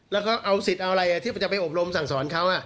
แล้วก็เอาสิทธิ์อะไรที่จะไปอบรมสั่งสอนเขา